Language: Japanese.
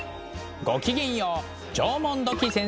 ごきげんよう縄文土器先生です。